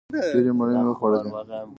ډېرې مڼې مې وخوړلې!